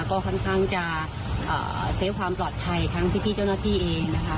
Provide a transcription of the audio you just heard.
ก็ค่อนข้างจะเซฟความปลอดภัยทั้งพี่เจ้าหน้าที่เองนะคะ